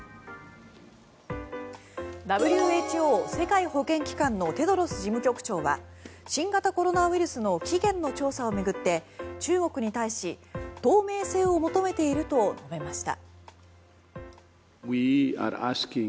ＷＨＯ・世界保健機関のテドロス事務局長は新型コロナウイルスの起源の調査を巡って中国に対し透明性を求めていると述べました。